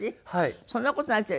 そんな事ないですよ。